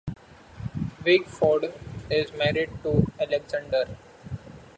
Wakeford is married to Alexandra.